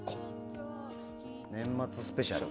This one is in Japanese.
年末スペシャル。